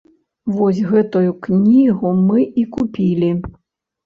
Вось гэтую кнігу мы і купілі.